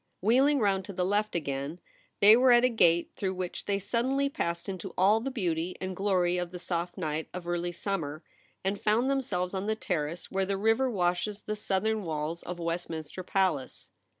Wheeling round to the left again, they were at a gate through which they suddenly passed into all the beauty and glory of the soft night of early summer, and found themselves on the Terrace where the river washes the southern walls of Westmin ster Palace.